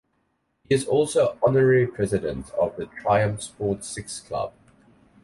He is also Honorary President of the Triumph Sports Six Club.